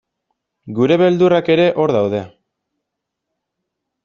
Gure beldurrak ere hor daude.